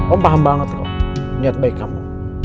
om paham banget kok niat baik kamu